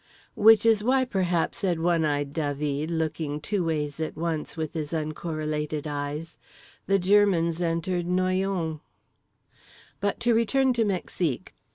"Which is why perhaps," said One Eyed Dah veed, looking two ways at once with his uncorrelated eyes, "the Germans entered Noyon…." But to return to Mexique.